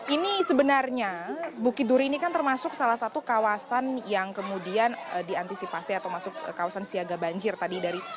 ini sebenarnya bukit duri ini kan termasuk salah satu kawasan yang kemudian diantisipasi atau masuk kawasan siaga banjir tadi dari